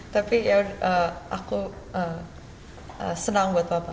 tapi ya aku senang buat bapak